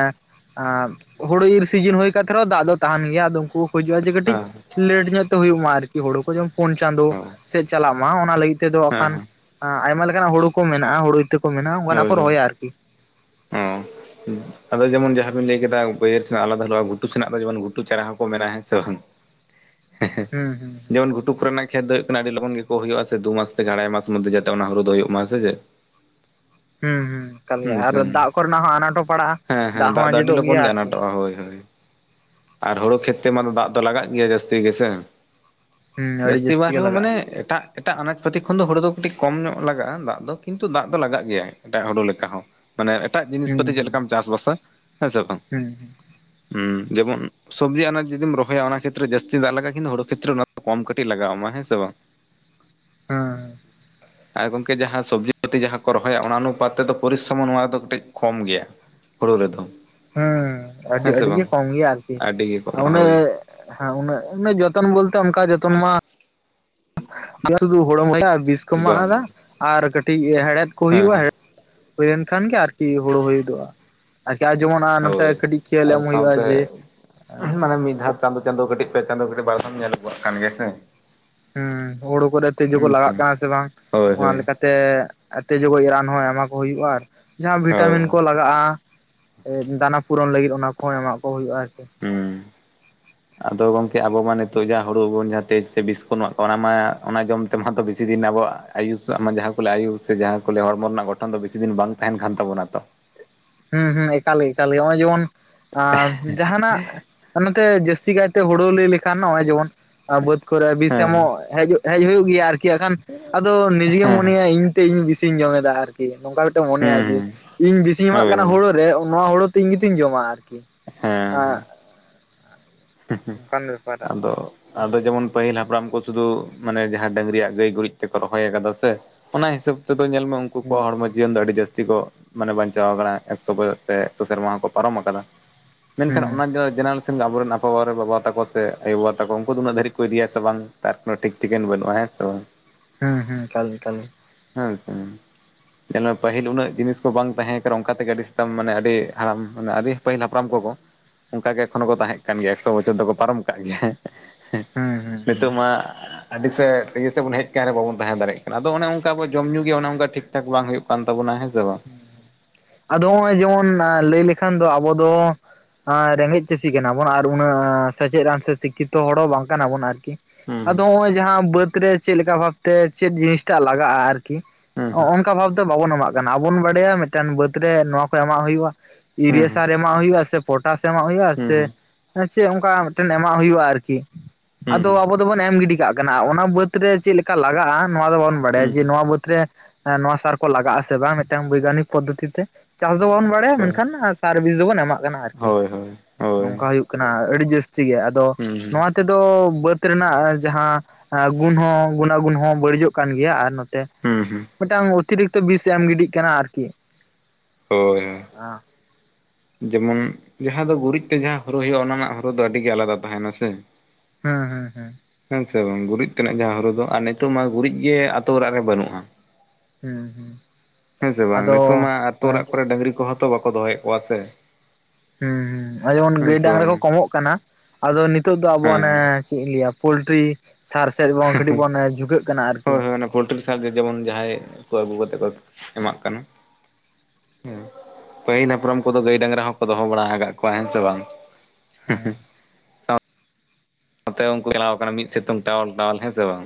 ᱟᱻᱢ ᱦᱩᱲᱩ ᱤᱨ ᱥᱤᱡᱤᱱ ᱦᱩᱭ ᱠᱟᱛᱮ ᱨᱮᱦᱚᱸ ᱫᱟᱜ ᱫᱚ ᱛᱟᱦᱮᱱ ᱜᱮᱭᱟ ᱟᱫᱚ ᱩᱱᱠᱩ ᱦᱩᱡᱩᱜᱼᱟ ᱡᱮ ᱦᱩᱸ ᱠᱟᱹᱴᱤᱡ ᱦᱮᱸ ᱞᱮᱴ ᱧᱚᱜ ᱛᱮ ᱦᱩᱭᱩᱜ ᱢᱟ ᱟᱨᱠᱤ ᱦᱳᱲ ᱠᱚ ᱡᱮᱢ ᱯᱳᱱ ᱪᱟᱸᱫᱳ ᱚ ᱥᱮᱫ ᱪᱟᱞᱟᱜ ᱢᱟ ᱚᱱᱟ ᱞᱟᱹᱜᱤᱫ ᱛᱮᱫᱚ ᱦᱮᱸ ᱚᱠᱷᱟᱱ ᱦᱮᱸ ᱟᱸ ᱟᱭᱢᱟ ᱞᱮᱠᱟᱱᱟᱜ ᱦᱩᱲᱩ ᱠᱚ ᱢᱮᱱᱟᱜᱼᱟ ᱦᱩᱲᱩ ᱤᱛᱟᱹ ᱠᱚ ᱢᱮᱱᱟᱜᱼᱟ ᱚᱱᱠᱟᱱᱟᱜ ᱠᱚ ᱨᱚᱦᱚᱭᱟ ᱟᱨᱠᱤ ᱚᱸᱦ ᱟᱫᱚ ᱡᱮᱢᱚᱱ ᱡᱟᱦᱟᱸ ᱵᱤᱱ ᱞᱟᱹᱭ ᱠᱮᱫᱟ ᱵᱟᱹᱭᱦᱟᱹᱨ ᱥᱮᱱᱟᱜ ᱟᱞᱟᱫᱟ ᱦᱟᱹᱞᱚᱜᱼᱟ ᱜᱷᱩᱴᱩ ᱥᱮᱱᱟᱜ ᱫᱚ ᱡᱮᱢᱚᱱ ᱜᱷᱩᱴᱩ ᱪᱟᱨᱟ ᱦᱚᱸᱠᱚ ᱢᱮᱱᱟ ᱦᱮ ᱥᱮ ᱵᱟᱝ? ᱦᱮ ᱦᱮ ᱦᱩᱸ ᱦᱩᱸ ᱡᱮᱢᱚᱱ ᱜᱷᱩ ᱴᱩᱠ ᱨᱮᱱᱟᱝ ᱠᱷᱮᱛ ᱫᱚ ᱦᱩᱭᱩᱜ ᱠᱟᱱᱟ ᱟᱹᱰᱤ ᱞᱚᱜᱚᱱ ᱜᱮᱠᱚ ᱦᱩᱭᱩᱜᱼᱟ ᱥᱮ ᱫᱩ ᱢᱟᱥ ᱛᱮᱜᱮ ᱟᱲᱟᱭ ᱢᱟᱥ ᱢᱚᱫᱽᱫᱷᱮ ᱡᱟᱛᱮ ᱚᱱᱟ ᱦᱩᱲᱩ ᱫᱚ ᱦᱩᱭᱩᱜ ᱢᱟ ᱥᱮᱪᱮᱫ ᱦᱩᱸ ᱦᱩᱸ ᱠᱟᱞ ᱜᱮᱭᱟ ᱦᱩᱸ ᱟᱫᱚ ᱫᱟᱜ ᱠᱚᱨᱮᱱᱟᱜ ᱦᱚᱸ ᱟᱱᱟᱴ ᱦᱚᱸ ᱯᱟᱲᱟᱜᱼᱟ, ᱦᱮᱸ ᱦᱮᱸ ᱫᱟᱜ ᱦᱚᱸ ᱫᱚ ᱟᱹᱰᱤ ᱟᱸᱡᱮᱫᱚᱜ ᱜᱮᱭᱟ ᱞᱚᱜᱚᱱ ᱜᱮ ᱟᱨᱠᱤ ᱾ ᱟᱱᱟᱴᱚᱜᱼᱟ ᱦᱳᱭ ᱦᱳᱭ ᱾ ᱟᱨ ᱦᱳᱲᱳ ᱠᱷᱮᱹᱛ ᱛᱮᱢᱟ ᱫᱚ ᱫᱟᱜ ᱫᱚ ᱞᱟᱜᱟᱜ ᱜᱮᱭᱟ ᱡᱟᱹᱥᱛᱤ ᱜᱮᱥᱮ ᱾ ᱦᱩᱸ ᱟᱹᱰᱤ ᱡᱟᱹᱥᱛᱤ ᱵᱟᱝ ᱜᱮ ᱨᱮᱦᱚᱸ ᱞᱟᱜᱟᱜᱼᱟ ᱢᱟᱱᱮ ᱮᱴᱟᱜ ᱮᱴᱟᱜ ᱟᱱᱟᱡ ᱯᱟᱹᱛᱤ ᱠᱷᱚᱱ ᱫᱚ ᱦᱳᱲᱳ ᱫᱚ ᱠᱟᱹᱴᱤᱡ ᱠᱚᱢ ᱧᱚᱜ ᱞᱟᱜᱟᱜᱼᱟ ᱫᱟᱜ ᱫᱚ, ᱠᱤᱱᱛᱩ ᱫᱟᱜ ᱫᱚ ᱞᱟᱜᱟᱜ ᱜᱮᱭᱟ ᱮᱴᱟᱜ ᱦᱳᱰᱳ ᱞᱮᱠᱟ ᱦᱚᱸ᱾ ᱢᱟᱱᱮ ᱮᱴᱟᱜ ᱡᱤᱱᱤᱥ ᱦᱩᱸ ᱯᱟᱹᱛᱤ ᱪᱮᱫ ᱞᱮᱠᱟᱢ ᱪᱟᱥ ᱵᱟᱥᱟ ᱦᱮᱸ ᱥᱮ ᱵᱟᱝ᱾ ᱦᱩᱸ ᱦᱩᱸ ᱦᱩᱸ ᱡᱮᱢᱚᱱ ᱥᱚᱵᱽᱡᱤ ᱟᱱᱟᱡᱽ ᱡᱩᱫᱤᱢ ᱨᱚᱦᱚᱭᱟ ᱚᱱᱟ ᱠᱷᱮᱛᱨᱮ ᱡᱟᱹᱥᱛᱤ ᱫᱟᱜ ᱞᱟᱜᱟᱜᱼᱟ ᱠᱤᱱ ᱦᱩᱲᱩ ᱠᱷᱮᱛᱨᱮ ᱚᱱᱟ ᱠᱚᱢ ᱠᱟᱹᱴᱤᱡ ᱞᱟᱜᱟ ᱟᱢᱟ ᱦᱮᱸ ᱥᱮ ᱵᱟᱝ᱾ ᱦᱮᱸ ᱟᱨ ᱜᱚᱝᱠᱮ ᱡᱟᱦᱟᱸ ᱥᱚᱵᱽᱡᱤ ᱯᱟᱹᱛᱤ ᱡᱟᱦᱟᱸ ᱠᱚ ᱨᱚᱦᱚᱭᱟ ᱚᱱᱟ ᱚᱱᱩᱯᱟᱛ ᱛᱮᱫᱚ ᱯᱚᱨᱤᱥᱨᱚᱢᱚ ᱱᱚᱣᱟ ᱨᱮᱫᱚ ᱠᱟᱹᱴᱤᱡ ᱠᱚᱢ ᱜᱮᱭᱟ, ᱦᱳᱲᱳ ᱨᱮᱫᱚ᱾ ᱦᱩᱸ ᱟᱹᱰᱤ ᱦᱮᱸ ᱥᱮ ᱟᱹᱰᱤ ᱜᱮ ᱵᱟᱝ ᱠᱚᱢ ᱜᱮᱭᱟ ᱟᱨᱠᱤ ᱟᱹᱰᱤ ᱜᱮ ᱟ ᱠᱚᱢᱟ ᱚᱱᱮ ᱦᱳᱭ ᱦᱮᱸ ᱩᱱᱟᱹᱜ ᱩᱱᱟᱹᱜ ᱡᱚᱛᱚᱱ ᱵᱚᱞᱛᱮ ᱚᱱᱠᱟ ᱡᱚᱛᱚᱱ ᱢᱟ ᱢᱟᱱᱮ ᱥᱩᱫᱷᱩ ᱦᱳᱲᱳᱢ [inaudible] ᱵᱤᱥ ᱠᱚ ᱢᱟᱜ ᱵᱟᱝ ᱟᱫᱟ ᱵᱟᱝ ᱟᱨ ᱠᱟᱹᱴᱤᱡ ᱦᱮᱲᱦᱮᱫ ᱠᱚ ᱦᱮᱸ ᱦᱳᱭᱳᱜᱼᱟ ᱦᱮᱸ ᱦᱮᱹ ᱦᱳᱭᱮᱱ ᱠᱷᱟᱱ ᱜᱮ ᱟᱨᱠᱤ ᱦᱳᱲᱳ ᱦᱳᱭ ᱦᱚᱫᱚᱜᱼᱟ ᱾ ᱟᱨᱠᱤ ᱟᱨ ᱡᱮᱢᱚᱱ ᱟᱨ ᱱᱚᱛᱮ ᱦᱳᱭ ᱠᱟᱹᱴᱤᱡ ᱠᱷᱤᱭᱟᱹᱞ ᱮᱢ ᱦᱩᱭᱩᱜᱼᱟ ᱡᱮ ᱮᱜ ᱟ ᱢᱤᱫ ᱫᱷᱟᱛ ᱪᱟᱸᱫᱳ ᱪᱟᱸᱫᱳ ᱠᱟᱹᱴᱤᱡ ᱯᱮ ᱪᱟᱸᱫᱳ ᱠᱟᱹᱴᱤᱡ ᱵᱟᱨ ᱫᱷᱟᱢ ᱧᱮᱞ ᱟᱹᱜᱩᱣᱟᱜ ᱠᱟᱱ ᱜᱮᱭᱟ ᱥᱮ᱾ ᱦᱩᱸ ᱦᱩᱲᱩ ᱠᱚᱨᱮ ᱛᱤᱡᱩ ᱠᱚ ᱞᱟᱜᱟᱜ ᱠᱟᱱᱟ ᱥᱮ ᱵᱟᱝ ᱦᱳᱭ ᱚᱱᱟ ᱦᱳᱭ ᱞᱮᱠᱟᱛ ᱛᱮ ᱛᱮᱡᱳ ᱜᱚᱡ ᱨᱟᱱ ᱦᱚᱸ ᱮᱢᱟ ᱠᱚ ᱦᱩᱭᱩᱜᱼᱟ ᱟᱨ ᱡᱟᱦᱟᱸ ᱦᱳᱭ ᱵᱷᱤᱴᱟᱢᱤᱱ ᱠᱚ ᱞᱟᱜ [unintelligible] ᱮ ᱫᱟᱱᱟ ᱯᱩᱨᱚᱱ ᱞᱟᱹᱜᱤᱫ ᱚᱱᱟ ᱠᱚᱦᱚᱸ ᱮᱢᱟᱜ ᱠᱚ ᱦᱩᱭᱩᱜᱼᱟ ᱟᱨᱠᱤ᱾ ᱦᱩᱸ ᱟᱫᱚ ᱜᱚᱝᱠᱮ ᱟᱵᱚ ᱢᱟ ᱱᱤᱛᱚᱜ ᱡᱟᱦᱟ ᱦᱳᱲᱳ ᱵᱚᱱ ᱡᱟᱦᱟᱸ ᱛᱮᱡᱽ ᱥᱮ ᱵᱤᱥ ᱠᱚ ᱵᱚᱱ ᱮᱢᱟᱜ ᱠᱟᱱ ᱚᱱᱟ ᱢᱟ ᱚᱱᱟ ᱡᱚᱢ ᱛᱮᱢᱟᱛᱚ ᱵᱮᱥᱤ ᱫᱤᱱ ᱟᱵᱚᱣᱟᱜ ᱟᱭᱩᱥᱟᱜ ᱢᱟ ᱡᱟᱦᱟᱸ ᱠᱚ ᱞᱮ ᱟᱭᱩ ᱥᱮ ᱡᱟᱦᱟᱸ ᱠᱚ ᱞᱮ ᱦᱚᱲᱢᱚ ᱨᱮᱱᱟᱜ ᱜᱚ ᱛᱚᱠᱷᱟᱱ ᱫᱚ ᱵᱮᱥᱤᱫᱤᱱ ᱵᱟᱝ ᱛᱟᱦᱮᱱ ᱠᱟᱱ ᱛᱟᱵᱚᱱᱟ ᱛᱚ ᱾ ᱦᱩᱸ ᱦᱩᱸ ᱮᱠᱟᱞ ᱜᱮ ᱮᱠᱟᱞ ᱜᱮ ᱱᱚᱜᱼᱚᱭ ᱡᱮᱢᱚᱱ ᱡᱟᱦᱟᱱᱟᱜ ᱟᱨ ᱱᱚᱛᱮ ᱡᱟᱹᱥᱛᱤ ᱠᱟᱭᱛᱮ ᱦᱩᱲᱩ ᱞᱟᱹᱭ ᱞᱮᱠᱷᱟᱱ ᱱᱚᱜᱼᱚᱭ ᱡᱮᱢᱚᱱ ᱵᱟᱹᱫ ᱠᱚᱨᱮ ᱵᱤᱥ ᱦᱮᱸ ᱮᱢᱚᱜ ᱦᱤᱡᱩᱜ ᱦᱮᱡ ᱦᱩᱭᱩᱜ ᱜᱮᱭᱟ ᱟᱨᱠᱤ ᱦᱟᱸᱜ ᱠᱷᱟᱱ ᱟᱫᱚ ᱱᱤᱡᱮᱢ ᱦᱮᱸ ᱦᱮᱸ ᱢᱚᱱᱮᱭᱟ ᱤᱧ ᱛᱮ ᱤᱧ ᱵᱤᱥᱤᱧ ᱡᱚᱢᱮᱫᱟ ᱟᱨᱠᱤ᱾ ᱱᱚᱝᱠᱟ ᱞᱮᱛᱮ ᱢᱚᱱᱮᱭᱟ ᱦᱮᱸ ᱡᱮ ᱦᱮᱸ ᱤᱧ ᱵᱤᱥᱤᱧ ᱮᱢᱟᱜ ᱦᱳᱭ ᱠᱟᱱᱟ ᱦᱳᱭ ᱦᱩᱲᱳ ᱨᱮ ᱱᱚᱣᱟ ᱦᱳᱲᱳ ᱛᱚ ᱤᱧ ᱜᱮᱛᱚᱧ ᱡᱚᱢᱟ ᱾ ᱟᱸᱜ ᱦᱩᱸ ᱦᱩᱸ ᱟᱫᱚ ᱟᱫᱚ ᱡᱮᱢᱚᱱ ᱯᱟᱹᱦᱤᱞ ᱦᱟᱯᱲᱟᱢ ᱠᱚ ᱥᱩᱫᱷᱩ ᱢᱟᱱᱮ ᱡᱟᱦᱟᱸ ᱰᱟᱹᱝᱨᱤᱭᱟ ᱜᱟᱹᱭ ᱜᱩᱨᱤᱡ ᱛᱮᱠᱚ ᱨᱚᱦᱚᱭ ᱠᱟᱫᱟ ᱥᱮ, ᱚᱱᱟ ᱦᱤᱥᱟᱹᱵ ᱛᱮᱫᱚ ᱧᱮᱞ ᱢᱮ ᱩᱱᱠᱩ ᱦᱩᱸ ᱠᱚᱣᱟᱜ ᱦᱚᱲᱢᱚ ᱡᱤᱭᱚᱱ ᱫᱚ ᱟᱹᱰᱤ ᱡᱟᱹᱥᱛᱤ ᱠᱚ ᱢᱟᱱᱮ ᱵᱟᱧᱪᱟᱣ ᱠᱟᱱᱟ ᱮᱠᱥᱚ ᱵᱚᱭᱚᱥ ᱥᱮ ᱮᱠᱥᱚ ᱥᱮᱨᱢᱟ ᱦᱚᱸᱠᱚ ᱯᱟᱨᱚᱢ ᱟᱠᱟᱫᱟ ᱢᱮᱱᱠᱷᱟᱱ ᱦᱩᱸ ᱦᱩᱸ ᱚᱱᱟ ᱫᱚ ᱪᱮᱱᱮᱞ [unintelligible] ᱨᱮᱱᱟᱢ ᱯᱟᱣᱟ ᱨᱮ ᱵᱟᱵᱟ ᱛᱟᱠᱚ ᱥᱮ ᱟᱭᱳ-ᱵᱟᱵᱟ ᱛᱟᱠᱚ ᱩᱱᱠᱩ ᱫᱚ ᱩᱱᱟᱹᱜ ᱫᱷᱟᱹᱨᱤᱡ ᱠᱚ ᱤᱫᱤᱭᱟ ᱥᱮ ᱵᱟᱝ, ᱛᱟᱨᱯᱚᱨᱮ ᱴᱷᱤᱠ ᱴᱷᱤᱠᱟᱹᱱ ᱵᱟᱹᱱᱩᱜ-ᱟ, ᱦᱮᱸ ᱥᱮ ᱵᱟᱝ? ᱦᱩᱸ ᱦᱩᱸ ᱮᱠᱟᱞ ᱜᱮ ᱮᱠᱟᱞ ᱜᱮ ᱦᱮᱸ ᱥᱮ ᱯᱟᱹᱦᱤᱞ ᱩᱱᱟᱹᱜ ᱡᱤᱱᱤᱥ ᱠᱚ ᱵᱟᱝ ᱛᱟᱦᱮᱸ ᱠᱟᱱᱟ ᱚᱱᱠᱟ ᱛᱮᱜᱮ ᱟᱹᱰᱤ ᱟᱥᱛᱟᱢ ᱢᱟᱱᱮ ᱟᱹᱰᱤ ᱦᱟᱲᱟᱢ ᱢᱟᱱᱮ ᱟᱹᱰᱤ ᱯᱟᱹᱦᱤᱞ ᱦᱟᱯᱲᱟᱢ ᱠᱚᱠᱚ ᱚᱱᱠᱟᱜᱮ ᱮᱠᱷᱚᱱᱳ ᱠᱚ ᱛᱟᱦᱮᱸ ᱠᱟᱱ ᱜᱮᱭᱟ ᱮᱠᱥᱚ ᱵᱚᱪᱷᱚᱨ ᱫᱚᱠᱚ ᱯᱟᱨᱚᱢ ᱠᱟᱜ ᱜᱮᱭᱟ ᱦᱩᱸ ᱦᱩᱸ ᱦᱩᱸ ᱱᱤᱛᱚᱜ ᱢᱟ ᱟᱹᱰᱤ ᱥᱮᱫ [inaudible] ᱵᱚᱱ ᱦᱮᱡ ᱟᱠᱟᱱ ᱨᱮ ᱵᱟᱵᱚᱱ ᱛᱟᱦᱮᱸ ᱫᱟᱲᱮᱭᱟ ᱚᱱᱮ ᱚᱱᱠᱟ ᱡᱚᱢ ᱧᱩ ᱜᱮ ᱚᱱᱮ ᱚᱱᱠᱟ ᱴᱷᱤᱠ ᱪᱟᱠ ᱵᱟᱝ ᱦᱩᱭᱩᱜ ᱠᱟᱱ ᱛᱟᱵᱚᱱᱟ ᱦᱮᱸ ᱥᱮ ᱵᱟᱝ? ᱟᱫᱚ ᱱᱚᱜᱼᱚᱭ ᱡᱮᱢᱚᱱ ᱞᱟᱹᱭ ᱞᱮᱠᱷᱟᱱ ᱫᱚ ᱟᱵᱚ ᱫᱚ ᱟ ᱨᱮᱸᱜᱮᱡ ᱪᱟᱹᱥᱤ ᱠᱟᱱᱟ ᱵᱚᱱ ᱟᱨ ᱩᱱᱟᱹᱜ ᱥᱮᱪᱮᱫᱱ ᱥᱮ ᱥᱤᱠᱠᱷᱤᱛᱚ ᱦᱚᱲ ᱦᱚᱸ ᱵᱟᱝ ᱠᱟᱱᱟ ᱵᱚᱱ ᱟᱨᱠᱤ ᱦᱩᱸ ᱟᱫᱚ ᱦᱚᱸᱜ ᱚᱭ ᱡᱟᱦᱟᱸ ᱵᱟᱹᱫ ᱨᱮ ᱪᱮᱫᱮ ᱞᱮᱠᱟ ᱵᱷᱟᱵᱛᱮ ᱪᱮᱫ ᱡᱤᱱᱤᱥᱴᱟᱜ ᱞᱟᱜᱟᱜᱼᱟ ᱟᱨᱠᱤ᱾ ᱦᱩᱸ ᱚᱜ ᱝᱠᱟ ᱵᱷᱟᱵᱛᱮ ᱵᱟᱵᱚᱱ ᱮᱢᱟᱜ ᱠᱟᱱᱟ ᱟᱵᱚᱱ ᱵᱟᱰᱟᱭᱟ ᱢᱤᱫᱴᱮᱱ ᱵᱟᱹᱫ ᱨᱮ ᱱᱚᱣᱟ ᱠᱚ ᱮᱢᱟᱜ ᱦᱩᱭᱩᱜ-ᱟ ᱦᱩᱭᱩᱜᱼᱟ ᱦᱩᱸ ᱤᱭᱩᱨᱤᱭᱟ ᱥᱟᱨ ᱮᱢᱟᱜ ᱦᱩᱭᱩᱜ-ᱟ ᱥᱮ ᱯᱚᱴᱟᱥ ᱮᱢᱟᱜ ᱦᱩᱭᱩᱜ-ᱟ ᱦᱩᱸ ᱥᱮ ᱦᱮᱸ ᱪᱮᱫ ᱚᱱᱠᱟ ᱢᱤᱫᱴᱮᱱ ᱮᱢᱟᱜ ᱦᱩᱭᱩᱜ-ᱟ ᱟᱨᱠᱤ᱾ ᱟᱫᱚ ᱦᱩᱸ ᱟᱵᱚ ᱫᱚᱵᱚᱱ ᱮᱢ ᱜᱤᱰᱤ ᱠᱟᱜ ᱠᱟᱱᱟ ᱚᱱᱟ᱾ ᱵᱟᱹᱫ ᱨᱮ ᱪᱮᱫᱮᱠᱟ ᱞᱟᱜᱟᱜ-ᱟ ᱱᱚᱣᱟ ᱫᱚ ᱵᱟᱵᱚᱱ ᱵᱟᱰᱟᱭᱟ ᱦᱩᱸ ᱡᱮ ᱱᱚᱣᱟ ᱵᱟᱹᱫ ᱨᱮ ᱮ ᱱᱚᱣᱟ ᱥᱟᱨ ᱠᱚ ᱞᱟᱜᱟᱜ ᱟᱥᱮ ᱵᱟᱝ ᱢᱤᱫᱴᱟᱝ ᱵᱳᱭᱜᱟᱱᱤᱠ ᱯᱚᱫᱽᱫᱷᱚᱛᱤ ᱛᱮ᱾ ᱪᱟᱥ ᱫᱚ ᱵᱟᱵᱚᱱ ᱵᱟᱰᱟᱭᱟ ᱦᱩᱸ ᱢᱮᱱᱠᱷᱟᱱ ᱟᱨ ᱥᱟᱨᱵᱷᱤᱥ ᱫᱚᱵᱚᱱ ᱮᱢᱟᱜ ᱠᱟᱱᱟ ᱟᱨᱠᱤ᱾ ᱦᱳᱭ ᱦᱳᱭ ᱦᱳᱭ ᱱᱚᱝᱠᱟ ᱦᱩᱭᱩᱜ ᱠᱟᱱᱟ ᱟᱹᱰᱤ ᱡᱟᱹᱥᱛᱤ ᱜᱮ ᱟᱫᱚ ᱦᱩᱸ ᱱᱚᱣᱟ ᱛᱮᱫᱚ ᱵᱟᱹᱫ ᱨᱮᱱᱟᱜ ᱡᱟᱦᱟᱸ ᱥ ᱜᱩᱱ ᱦᱚᱸ ᱜᱩᱱᱟ ᱜᱩᱱ ᱦᱚᱸ ᱵᱟᱹᱲᱤᱡᱚᱜ ᱠᱟᱱ ᱜᱮᱭᱟ ᱟᱨ ᱱᱚᱛᱮ ᱦᱩᱸ ᱦᱩᱸ᱾ ᱢᱤᱫᱴᱟᱝ ᱚᱛᱤᱨᱤᱠᱛᱚ ᱵᱤᱥ ᱮᱢ ᱜᱤᱰᱤᱜ ᱠᱟᱱᱟ ᱟᱨᱠᱤ᱾ ᱦᱳᱭ ᱡᱮᱢᱚᱱ ᱡᱟᱦᱟᱸ ᱫᱚ ᱜᱩᱨᱤᱡ ᱛᱮ ᱡᱟᱦᱟᱸ ᱦᱚᱨᱚᱜ ᱦᱩᱭᱩᱜ-ᱟ ᱚᱱᱟ ᱨᱮᱱᱟᱜ ᱦᱚᱨᱩ ᱫᱚ ᱟᱹᱰᱤᱜᱮ ᱟᱞᱟᱫᱟ ᱛᱟᱦᱮᱱᱟ ᱥᱮ᱾ ᱦᱮᱸ ᱦᱮᱸ ᱦᱮᱸ᱾ ᱦᱮᱸ ᱥᱮ ᱵᱟᱝ ᱜᱩᱨᱤᱡ ᱛᱮᱱᱟᱜ ᱡᱟᱦᱟᱸ ᱦᱚᱨᱩ ᱫᱚ ᱟᱨ ᱱᱤᱛᱚᱜ ᱢᱟ ᱜᱩᱨᱤᱡ ᱜᱮ ᱟᱛᱳ ᱚᱲᱟᱜ ᱨᱮ ᱵᱟᱹᱱᱩᱜᱼᱟ᱾ ᱦᱩᱸ ᱦᱩᱸ᱾ ᱦᱮᱸ ᱥᱮ ᱵᱟᱝ ᱱᱤᱛᱳᱝ ᱟᱫᱚ ᱢᱟ ᱟᱹᱛᱩᱳ ᱚᱲᱟᱜ ᱠᱚᱨᱮᱜ ᱰᱟᱹᱝᱨᱤ ᱠᱚᱦᱚᱸ ᱛᱚ ᱵᱟᱠᱚ ᱫᱚᱦᱚᱭᱮᱫ ᱠᱚᱣᱟ ᱥᱮ᱾ ᱦᱩᱸ ᱦᱩᱸ ᱚᱭ ᱡᱮᱢᱚᱱ ᱦᱮᱸ ᱜᱟᱹᱭ ᱥᱮ ᱰᱟᱝᱨᱤ ᱵᱟᱝ ᱠᱚ ᱠᱚᱢᱚᱜ ᱠᱟᱱᱟ ᱟᱫᱚ ᱱᱤᱛᱚᱜ ᱫᱚ ᱟᱵᱚ ᱚᱱᱮ ᱦᱮᱸ ᱪᱮᱫ ᱤᱧ ᱞᱟᱹᱭᱟ ᱯᱳᱞᱴᱨᱤ ᱥᱟᱨ ᱥᱮᱫ ᱵᱚᱱ ᱠᱟᱹᱴᱤᱡ ᱵᱚᱱ ᱡᱷᱩᱠᱟᱹᱜ ᱠᱟᱱᱟ ᱟᱨᱠᱤ᱾ ᱯᱚᱞᱡᱤᱨᱤ ᱥᱟᱨ ᱡᱮ ᱡᱮᱢᱚᱱ ᱡᱟᱦᱟᱸᱭ ᱠᱚ ᱟᱹᱜᱩ ᱠᱟᱛᱮᱮᱫ ᱠᱚ ᱮᱢᱟᱜ ᱠᱟᱱᱟ᱾ ᱦᱮᱸ᱾ ᱯᱟᱹᱦᱤᱞ ᱦᱟᱯᱨᱟᱢ ᱠᱚᱫᱚ ᱜᱟᱹᱭ ᱰᱟᱝᱨᱟ ᱦᱚᱸᱠᱚ ᱫᱚᱦᱚ ᱵᱟᱲᱟ ᱟᱠᱟᱫ ᱠᱚᱣᱟ ᱦᱮᱸ ᱥᱮ ᱵᱟᱝ? ᱦᱮᱸ᱾ ᱱᱚᱛᱮ ᱩᱱᱠᱩ ᱪᱟᱞᱟᱣ ᱟᱠᱟᱱᱟ ᱢᱤᱫ ᱥᱤᱛᱩᱝ ᱴᱟᱣᱟᱞ ᱴᱟᱣᱞ ᱦᱮᱸ ᱥᱮ ᱵᱟᱝ?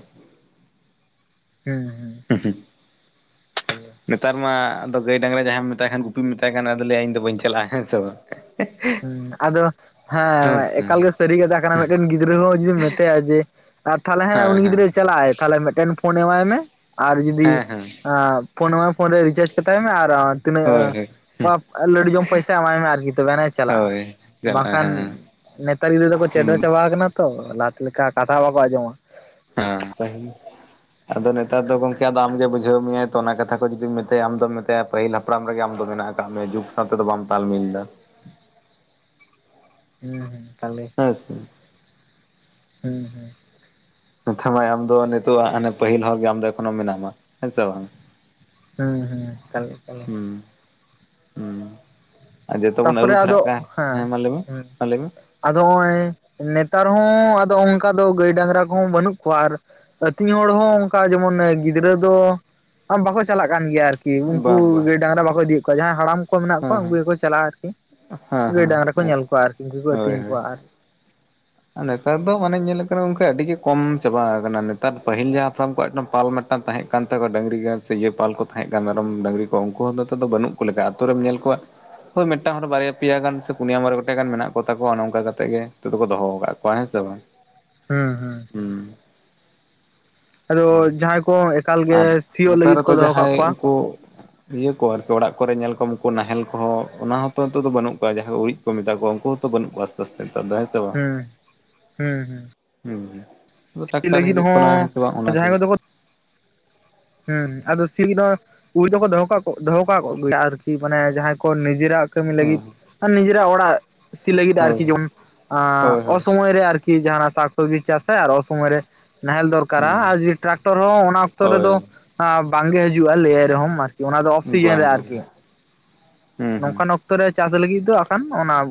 ᱦᱩᱸ ᱦᱩᱸ᱾ [unintelligible] ᱠᱟᱱ ᱜᱮᱭᱟ᱾ ᱱᱮᱛᱟᱨ ᱢᱟ ᱟᱫᱚ ᱜᱟᱹᱭ ᱰᱟᱝᱨᱟ ᱡᱟᱦᱟᱸᱭᱮᱢ ᱢᱮᱛᱟᱭ ᱠᱟᱱ ᱜᱩᱤᱢ ᱢᱮᱛᱟᱭ ᱠᱷᱟᱱ ᱟᱫᱚ ᱞᱟᱹᱭᱟ ᱤᱧ ᱫᱚ ᱵᱟᱹᱧ ᱪᱟᱞᱟᱜᱼᱟ ᱦᱮᱸᱥᱮ ᱵᱟᱝ᱾ ᱦᱮᱸ ᱟᱫᱚ ᱦᱮᱸ ᱮᱠᱟᱞ ᱜᱮ ᱥᱟᱹᱨᱤ ᱠᱟᱛᱷᱟ ᱠᱟᱱᱟ ᱢᱤᱫᱴᱮᱱ ᱜᱤᱫᱽᱨᱟᱹ ᱦᱚᱸ ᱡᱩᱫᱤᱢ ᱢᱮᱛᱟᱭᱟ ᱡᱮ ᱟᱨ ᱛᱟᱦᱚᱞᱮ ᱦᱮᱸ ᱩᱱᱤ ᱜᱤᱫᱽᱨᱟᱹᱭ ᱪᱟᱞᱟᱜᱟᱭ᱾ ᱛᱟᱦᱚᱞᱮ ᱢᱤᱫᱴᱮᱱ ᱯᱷᱳᱱ ᱮᱢᱟᱭ ᱢᱮ᱾ ᱟᱨ ᱡᱩᱫᱤ ᱦᱮᱸ ᱦᱮᱸ ᱟ ᱯᱷᱚᱱ ᱟᱢᱟᱭ ᱯᱷᱚᱱ ᱨᱮ ᱨᱤᱪᱟᱨᱡ ᱠᱟᱛᱟᱭ ᱢᱮ ᱟᱨ ᱟᱨ ᱛᱤᱱᱟᱹᱜ ᱦᱳᱭ ᱦᱳᱭ ᱯᱟᱯ ᱞᱟᱹᱰᱩ ᱡᱚᱢ ᱯᱚᱭᱥᱟ ᱮᱢᱟᱭ ᱢᱮ ᱟᱨᱠᱤ ᱛᱚᱵᱮᱟᱱᱮᱡ ᱪᱟᱞᱟᱜ-ᱟ ᱦᱳᱭ ᱪᱟᱞᱟᱜᱼᱟ ᱵᱟᱝᱠᱷᱟᱱ ᱦᱮᱸ ᱱᱮᱛᱟᱨ ᱜᱤᱫᱽᱨᱟᱹ ᱫᱚᱠᱚ ᱦᱩᱸ ᱪᱮᱰᱚ ᱦᱮᱸ ᱪᱟᱵᱟᱜ᱾ ᱠᱟᱱᱟ ᱛᱚ ᱞᱟᱦᱟᱛᱮ ᱞᱮᱠᱟ ᱠᱟᱛᱷᱟ ᱵᱟᱵᱚ ᱟᱸᱡᱚᱢᱟ᱾ [unintelligible] ᱟᱫᱚ ᱱᱮᱛᱟᱨ ᱫᱚ ᱜᱚᱝᱠᱮ ᱟᱢᱜᱮ ᱵᱩᱡᱷᱟᱹᱣ ᱢᱮᱭᱟ ᱛᱚ ᱚᱱᱟ ᱠᱟᱛᱷᱟ ᱠᱚ ᱡᱩᱫᱤ ᱢᱮᱟᱭᱟ ᱟᱢᱫᱚᱢ ᱢᱮᱛᱟᱭᱟ ᱯᱟᱹᱦᱤᱞ ᱦᱟᱯᱲᱟᱢ ᱨᱮᱜᱮ ᱟᱢᱫᱚ ᱢᱮᱱᱟᱜ ᱟᱠᱟᱫ ᱢᱮᱭᱟ ᱡᱩᱜᱽ ᱥᱟᱶ ᱛᱮᱫᱚ ᱵᱟᱢ ᱛᱟᱞᱢᱤᱞ ᱫᱟ᱾ ᱦᱩᱸ ᱦᱩᱸ ᱮᱠᱟᱞ ᱜᱮ ᱦᱮᱸᱥᱮ ᱦᱩᱸᱦᱩᱸ ᱟᱪᱪᱷᱟ ᱢᱟᱭ ᱟᱢ ᱫᱚ ᱱᱤᱛᱚᱜ ᱦᱟᱱᱮ ᱯᱟᱹᱦᱤᱞ ᱦᱚᱲᱜᱮ ᱟᱢ ᱫᱚ ᱮᱠᱷᱚᱱ ᱢᱮᱱᱟᱢᱟ ᱦᱮᱸ ᱥᱮ ᱵᱟᱝ? ᱦᱮᱸ ᱦᱮᱸ ᱮᱠᱟᱞ ᱮᱠᱟᱞ ᱾ ᱦᱩᱸ ᱦᱩᱸ ᱟᱨ ᱡᱚᱛᱚ ᱵᱚᱱ ᱛᱟᱨᱯᱚᱨᱮ ᱟᱹᱨᱩ ᱟᱫᱚ ᱯᱷᱮᱨᱟᱜ ᱠᱟᱱ ᱦᱮᱸ ᱢᱟ ᱞᱟᱹᱭ ᱢᱮ ᱦᱩᱸ᱾ ᱢᱟ ᱞᱟᱹᱭ ᱢᱮ ᱟᱫᱚ ᱦᱚᱸᱜᱚᱭ ᱱᱮᱛᱟᱨ ᱦᱚᱸ ᱟᱫᱚ ᱚᱝᱠᱟ ᱫᱚ ᱜᱟᱹᱭ ᱰᱟᱝᱨᱟ ᱠᱚᱦᱚᱸ ᱵᱟᱹᱱᱩᱜ ᱠᱚᱣᱟ ᱟᱨ ᱟᱹᱛᱤᱧ ᱦᱚᱲ ᱦᱚᱸ ᱚᱝᱠᱟ ᱡᱮᱢᱚᱱ ᱜᱤᱫᱽᱨᱟᱹ ᱫᱚ, ᱵᱟᱠᱚ ᱪᱟᱞᱟᱜ ᱠᱟᱱ ᱜᱮᱭᱟ ᱟᱨ ᱠᱤ ᱵᱟᱝ ᱩᱝᱠᱩ ᱵᱟᱝ ᱜᱟᱹᱭ ᱰᱟᱝᱨᱟ ᱵᱟᱠᱚ ᱤᱫᱤᱭᱮᱫ ᱠᱚᱣᱟ ᱡᱟᱦᱟᱸᱭ ᱦᱟᱲᱟᱢ ᱠᱚ ᱢᱮᱱᱟᱜ ᱦᱮᱸ ᱠᱚᱣᱟ ᱦᱮᱸ ᱩᱝᱠᱩ ᱜᱮᱠᱚ ᱪᱟᱞᱟᱜᱼᱟ᱾ ᱟᱨᱠᱤ ᱦᱮᱸ ᱜᱟᱹᱭ ᱰᱟᱝᱨᱟ ᱠᱚ ᱦᱮᱸ ᱧᱮᱞ ᱠᱚᱣᱟ ᱟᱨᱠᱤ ᱩᱱᱠᱩ ᱠᱚ ᱦᱳᱭ ᱟᱹᱛᱤᱧ ᱦᱳᱭ ᱠᱚᱣᱟ ᱟᱨ ᱱᱮᱛᱟᱨ ᱫᱚ ᱢᱟᱱᱮ ᱧᱮᱞ ᱠᱟᱱᱟ ᱜᱚᱝᱠᱮ ᱟᱹᱰᱤ ᱜᱮ ᱠᱚᱢ ᱪᱟᱵᱟ ᱠᱟᱱᱟ ᱱᱮᱛᱟᱨ ᱯᱟᱹᱦᱤᱞ ᱡᱟᱦᱟᱸ ᱦᱟᱯᱲᱟᱢ ᱠᱚᱣᱟᱜ ᱢᱮᱴᱟᱝ ᱯᱟᱞᱢᱮᱴ ᱢᱮᱴᱟᱝ ᱛᱟᱦᱮᱸᱜ ᱠᱟᱱ ᱛᱟᱠᱚᱣᱟ ᱰᱟᱹᱝᱨᱤ ᱜᱮᱥᱮ ᱤᱭᱟᱹ ᱯᱟᱞ ᱠᱚ ᱛᱟᱦᱮᱸᱡ ᱠᱟᱱᱟ ᱢᱮᱨᱚᱢ ᱰᱟᱹᱝᱨᱤ ᱠᱚ ᱩᱱᱠᱩ ᱦᱚᱸ ᱱᱤᱛᱚᱜ ᱫᱚ ᱵᱟᱹᱱᱩᱜ ᱠᱚ ᱞᱮᱠᱟ ᱟ ᱟᱹᱛᱩ ᱨᱮᱢ ᱧᱮᱞ ᱠᱚᱣᱟ ᱦᱳᱭ ᱢᱤᱫᱴᱟᱝ ᱦᱚᱲ ᱵᱟᱨᱭᱟ ᱯᱮᱭᱟ ᱜᱟᱱ ᱥᱮ ᱯᱩᱱᱭᱟ ᱢᱚᱬᱮ ᱜᱚᱴᱮᱡ ᱜᱟᱱ ᱢᱮᱱᱟᱜ ᱠᱚᱛᱟᱠᱚᱣᱟ ᱚᱱᱮ ᱱᱚᱝᱠᱟᱠᱟᱛᱮᱫ ᱠᱟᱛᱮᱜ ᱜᱮ ᱱᱤᱛ ᱫᱚᱦᱚ ᱠᱟᱜ ᱠᱟᱜ ᱠᱚᱣᱟ ᱦᱮᱸ ᱥᱮ ᱵᱟᱝ? ᱦᱩᱸ ᱦᱩᱸ ᱟᱫᱚ ᱦᱮᱸ ᱡᱟᱦᱟᱸᱭ ᱠᱚ ᱮᱠᱟᱞ ᱜᱮ ᱟᱨ ᱥᱤᱭᱳᱜ ᱱᱮᱛᱟᱨᱛ ᱞᱟᱹᱜᱤᱫ ᱚᱠᱚᱭ ᱠᱚ ᱫᱚᱦᱚ ᱠᱟᱜ ᱡᱟᱦᱟᱸᱭ ᱠᱚᱣᱟ ᱩᱝᱠᱩ ᱤᱭᱟᱹ ᱠᱚ ᱟᱨᱠᱤ ᱚᱲᱟᱜ ᱠᱚᱨᱮ ᱧᱮᱞ ᱠᱚ ᱩᱱᱠᱩ ᱱᱟᱦᱮᱞ ᱠᱚᱦᱚᱸ ᱚᱱᱟ ᱦᱚᱸᱛᱚ ᱱᱤᱛᱚᱜ ᱫᱚ ᱵᱟᱹᱱᱩᱜ ᱠᱚᱣᱟ ᱡᱟᱦᱟᱸ ᱩᱨᱤᱡ ᱠᱚ ᱢᱮᱛᱟ ᱠᱚᱣᱟ ᱩᱝᱠᱩ ᱛᱚ ᱵᱟᱹᱱᱩᱜᱠᱚᱣᱟ ᱟᱥᱛᱮ ᱟᱥᱛᱮ ᱛᱮ ᱦᱮᱸ ᱥᱮ ᱵᱟᱝ ᱦᱩᱸ ᱦᱩᱸ ᱦᱩᱸ ᱦᱩᱸ ᱟ ᱥᱤ ᱴᱟᱠᱴᱟᱨ ᱞᱟᱹᱜᱤᱫ ᱦᱤᱡᱩᱜ ᱠᱟᱱᱟ ᱦᱚᱸ ᱦᱮᱸᱥᱮ ᱵᱟᱝ ᱚᱱᱟ ᱡᱟᱦᱟᱸᱭ ᱪᱤᱱ ᱠᱚᱫᱚ ᱦᱩᱸ ᱦᱩᱸ ᱟᱫᱚ ᱥᱤ ᱫᱚ ᱩᱱᱤ ᱫᱚᱠᱚ ᱫᱚᱦᱚ ᱠᱟᱜ ᱫᱚᱦᱚ ᱠᱟᱜ ᱜᱮᱭᱟ ᱟᱨᱠᱤ ᱢᱟᱱᱮ ᱡᱟᱦᱟᱸᱭ ᱠᱚ ᱱᱤᱡᱮᱨᱟᱜ ᱠᱟᱹᱢᱤ ᱞᱟᱹᱜᱤᱫ ᱦᱮᱸ ᱱᱤᱡᱮᱨᱟᱜ ᱚᱲᱟᱜ ᱥᱤ ᱞᱟᱹᱜᱤᱫ ᱦᱳᱭ ᱟᱨᱠᱤ ᱡᱚᱢ ᱟ ᱦᱳᱭ ᱦᱳᱭ ᱚᱥᱚᱢᱚᱭ ᱨᱮ ᱟᱨᱠᱤ ᱡᱟᱦᱱᱟᱜ ᱥᱟᱠ ᱥᱚᱵᱽᱡᱤ ᱪᱟᱥᱟᱭ ᱟᱨ ᱚᱥᱚᱢᱚᱭ ᱨᱮ ᱱᱟᱦᱮᱞ ᱫᱚᱨ ᱠᱟᱨᱟ ᱦᱩᱸ ᱟᱨ ᱡᱩᱫᱤ ᱴᱨᱟᱠᱴᱚᱨ ᱦᱚᱸ ᱚᱱᱟ ᱚᱠᱛᱚ ᱦᱳᱭ ᱨᱮᱫᱚ ᱟ ᱵᱟᱝᱜᱮ ᱦᱤᱡᱩᱜᱼᱟ ᱞᱟᱹᱭᱟᱭ ᱨᱮᱦᱚᱸᱢ᱾ ᱚᱱᱟ ᱫᱚ ᱚᱠᱥᱤᱡᱮᱱ ᱵᱟᱝ ᱨᱮ ᱵᱟᱝ ᱟᱨᱠᱤ ᱦᱩᱸ ᱦᱩᱸ ᱱᱚᱝᱠᱟᱱ ᱚᱠ ᱚᱠᱛᱚ ᱨᱮ ᱪᱟᱥ ᱞᱟᱹᱜᱤᱫ ᱫᱚ ᱟᱠᱷᱟᱱ ᱚᱱᱟ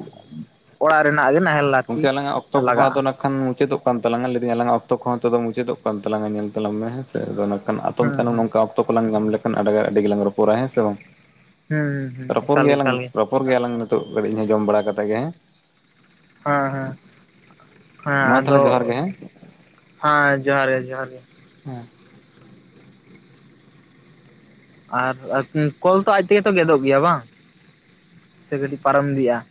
ᱚᱲᱟᱜ ᱨᱮᱱᱟᱜ ᱜᱮ ᱱᱟᱦᱮᱞ ᱜᱚᱝᱠᱮ ᱟᱨᱠᱤ ᱟᱞᱟᱝᱟᱜ ᱚᱠᱛᱚ ᱞᱟᱜᱟᱜᱼᱟ ᱠᱚᱦᱚᱸᱟᱫᱚ ᱱᱟᱜ ᱠᱷᱟᱱ ᱢᱩᱪᱟᱹᱫᱚᱜ ᱠᱟᱱ ᱛᱟᱞᱟᱝᱟ ᱞᱟᱹᱭᱫᱟᱹᱧ ᱟᱞᱟᱝᱟᱜ ᱚᱠᱛᱚ ᱠᱚᱦᱚᱸ ᱱᱤᱛᱚᱜ ᱢᱩᱪᱟᱹᱫᱚᱜ ᱠᱟᱱ ᱛᱟᱞᱟᱝᱟ ᱧᱮᱞ ᱛᱟᱞᱟᱝ ᱢᱮ ᱦᱮᱸ ᱥᱮ᱾ ᱠᱷᱟᱱ ᱟᱛᱚᱢ ᱦᱩᱸ ᱛᱟᱭᱱᱚᱢ ᱦᱩᱸ ᱱᱚᱝᱠᱟ ᱚᱠᱛᱚ ᱠᱚᱞᱟᱝ ᱧᱟᱢ ᱞᱮᱠᱷᱟᱱ ᱟᱰᱮ ᱟᱹᱰᱤ ᱜᱮᱞᱟᱝ ᱨᱚᱯᱚᱲᱟ ᱦᱮᱸ ᱥᱮ ᱜᱚᱝᱠᱮ᱾ ᱦᱮᱸᱮᱠᱟᱞ ᱜᱮ ᱮᱠᱟᱞ ᱜᱮ ᱾ ᱨᱚᱯᱚᱨ ᱜᱮᱭᱟᱞᱟᱝ ᱱᱤᱛᱚᱜ ᱠᱟᱹᱴᱤᱡ ᱤᱧᱦᱚᱸ ᱡᱚᱢ ᱵᱟᱲᱟ ᱠᱟᱛᱮᱜ ᱜᱮ᱾ ᱦᱮᱸ ᱦᱮᱸ ᱦᱮᱸ ᱢᱟ ᱟᱫᱚ ᱛᱟᱦᱚᱞᱮ ᱡᱚᱦᱟᱨ ᱜᱮ ᱦᱮᱸ ᱦᱮᱸ ᱡᱚᱦᱟᱨ ᱜᱮ ᱡᱚᱦᱟᱨ ᱜᱮ᱾ [inaudible] ᱟᱨ ᱠᱚᱞ ᱛᱚ ᱟᱡ ᱛᱮᱜᱮ ᱛᱚ ᱜᱮᱫᱚᱜ ᱜᱮᱭᱟ ᱵᱟᱝ ᱥᱮ ᱠᱟᱹᱴᱤᱡ ᱯᱟᱨᱚᱢ ᱤᱫᱤᱭᱟᱜᱼᱟ᱾